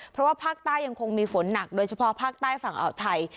เพราะว่าภาคใต้ยังคงมีฝนหนักโดยเฉพาะภาคใต้ฝั่งอ่าวไทย